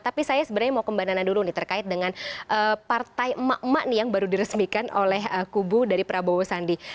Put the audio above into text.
tapi saya sebenarnya mau ke mbak nana dulu nih terkait dengan partai emak emak nih yang baru diresmikan oleh kubu dari prabowo sandi